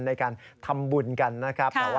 ในการทำบุญกันนะครับ